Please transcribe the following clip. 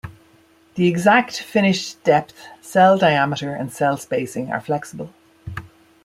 The exact finished depth, cell diameter and cell spacing are flexible.